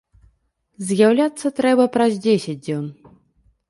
З'яўляцца трэба праз дзесяць дзён.